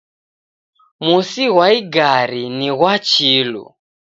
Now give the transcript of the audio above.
Mosi ghwa igari ni ghwa chilu